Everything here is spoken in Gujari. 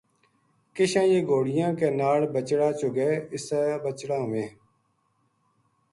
کشاں یہ گھوڑیاں کے ناڑ بچڑا چُگے اِسا بچڑا ہوویں